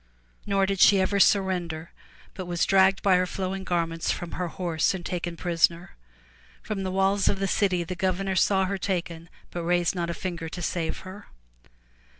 Nor did she ever surrender but was dragged by her flowing garments from her horse and taken prisoner. From the walls of the city the governor saw her taken but raised not a finger to save her.